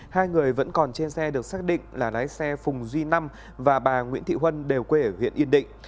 hai người vẫn còn trên xe được xác định là lái xe phùng duy năm và bà nguyễn thị huân đều quê ở huyện yên định